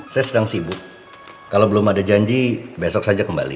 saya sedang sibuk kalau belum ada janji besok saja kembali